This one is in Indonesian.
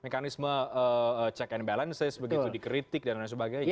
mekanisme check and balances begitu dikritik dan lain sebagainya